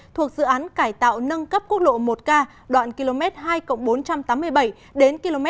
thuộc dự án cải tạo nâng cấp quốc lộ một k đoạn km hai bốn trăm tám mươi bảy đến km một mươi hai chín trăm bảy mươi một